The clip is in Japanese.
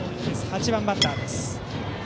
８番バッターです。